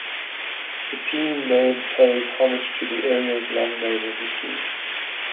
The team name pays homage to the area's long naval history.